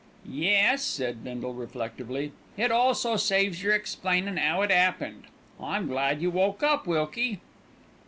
"Yes," said Bindle reflectively; "it also saves yer explainin' 'ow it 'appened. I'm glad you woke up, Wilkie.